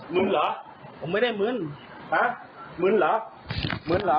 มึงเหรอผมไม่ได้มึนนะมึนเหรอมึนเหรอ